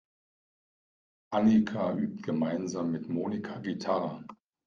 Annika übt gemeinsam mit Monika Gitarre.